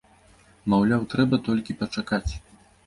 Маўляў, трэба толькі пачакаць.